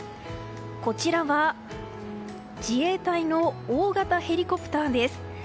こちらは自衛隊の大型ヘリコプターです。